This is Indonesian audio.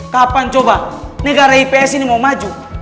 kapan coba negara ips ini mau maju